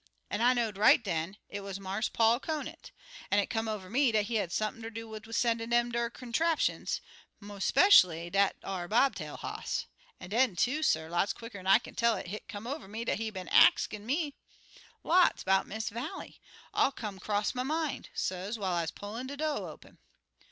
an' I know'd right den it wuz Marse Paul Conant. An' it come over me dat he had sump'n ter do wid sendin' er dem contraptions, mo' 'speshually dat ar bob tail hoss. An' den, too, suh, lots quicker'n I kin tell it, hit come over me dat he been axin' me lots 'bout Miss Vallie. All come 'cross my min', suh, whiles I pullin' de do' open.